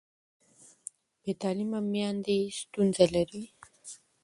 بې تعلیمه میندې ستونزه لري.